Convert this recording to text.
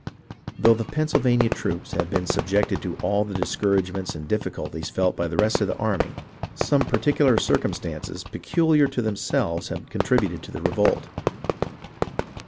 Though the Pennsylvania troops have been subjected to all the discouragements and difficulties felt by the rest of the army, some particular circumstances peculiar to themselves have contributed to produce the revolt.